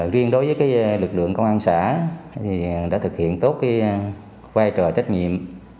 riêng đối với lực lượng công an xã thì đã thực hiện tốt vai trò trách nhiệm